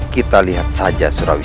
kepala kepala kepala